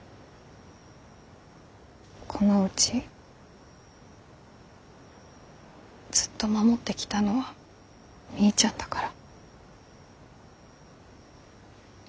このうちずっと守ってきたのはみーちゃんだから。